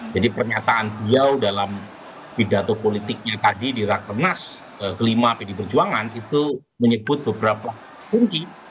jadi pernyataan dia dalam pidato politiknya tadi di rakrenas ke lima pdi perjuangan itu menyebut beberapa kunci